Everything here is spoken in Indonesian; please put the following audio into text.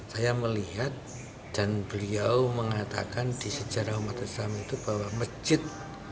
saya melihat dan beliau mengatakan di sejarah umat islam itu bahwa masjid